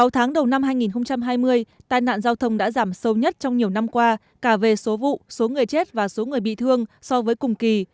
sáu tháng đầu năm hai nghìn hai mươi tai nạn giao thông đã giảm sâu nhất trong nhiều năm qua cả về số vụ số người chết và số người bị thương so với cùng kỳ